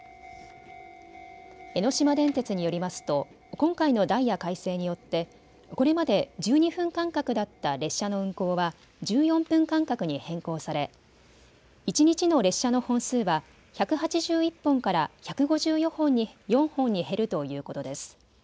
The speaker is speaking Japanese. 江ノ島電鉄によりますと今回のダイヤ改正によってこれまで１２分間隔だった列車の運行は１４分間隔に変更され一日の列車の本数は１８１本から１５４本に減るということです。